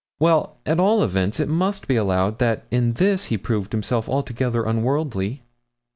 'Well, at all events, it must be allowed that in this he proved himself altogether unworldly.'